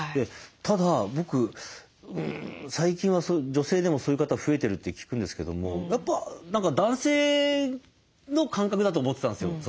ただ僕最近は女性でもそういう方増えてるって聞くんですけどもやっぱ何か男性の感覚だと思ってたんですよ。